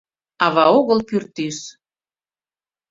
Ава огыл пӱртӱс;